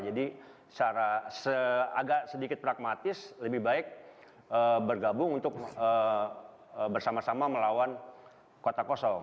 jadi agak sedikit pragmatis lebih baik bergabung untuk bersama sama melawan kota kosong